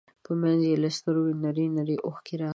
په مخ يې له سترګو نرۍ نرۍ اوښکې راغلې.